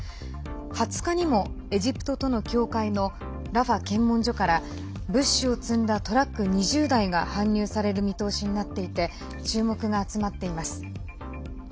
２０日にもエジプトとの境界のラファ検問所から、物資を積んだトラック２０台が搬入される見通しになっていて注目が集まっています。